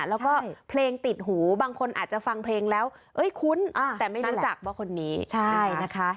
แล้วก็เพลงติดหูบางคนอาจจะฟังเพลงแล้วคุ้นแต่ไม่รู้จักว่าคนนี้ใช่นะคะ